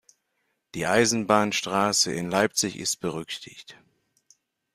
Die Eisenbahnstraße in Leipzig ist berüchtigt.